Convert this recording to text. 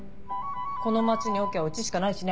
この町にオケはうちしかないしね。